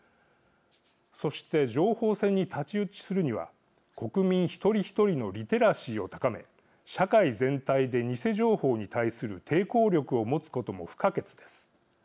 そして、情報戦に太刀打ちするには国民一人一人のリテラシーを高め社会全体で偽情報に対する抵抗力を持つことも不可欠です。